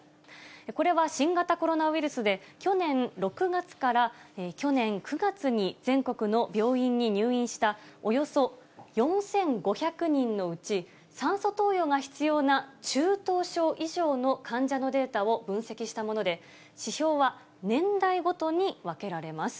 これは新型コロナウイルスで去年６月から去年９月に全国の病院に入院したおよそ４５００人のうち酸素投与が必要な中等症以上の患者のデータを分析したもので、指標は年代ごとに分けられます。